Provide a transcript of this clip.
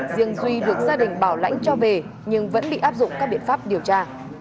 riêng duy được gia đình bảo lãnh cho về nhưng vẫn bị áp dụng các biện pháp điều tra